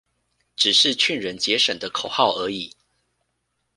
只是勸人節省的口號而已